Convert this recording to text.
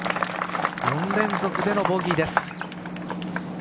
４連続でのボギーです。